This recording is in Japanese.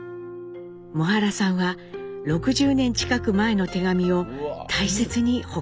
母原さんは６０年近く前の手紙を大切に保管していました。